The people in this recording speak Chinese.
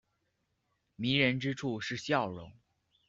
迷人之处是笑容。